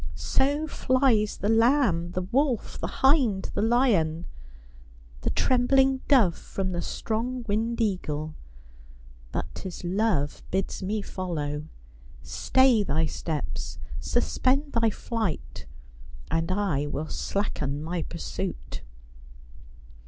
So flies the lamb the wolf, the hind the lion, the trembling dove from the strong winged eagle. But 'tis love bids me follow. Stay thy steps, suspend thy flight, and I M'ill slacken my pursuit.